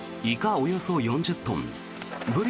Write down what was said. およそ４０トンブリ